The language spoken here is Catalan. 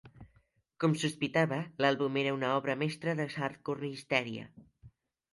Com sospitava, l'àlbum era una obra mestra de hardcore hysteria.